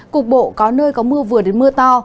cục bộ có nơi có mưa vừa đến mưa to